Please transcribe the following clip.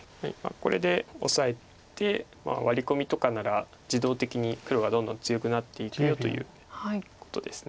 これでオサえてワリコミとかなら自動的に黒がどんどん強くなっていくよということです。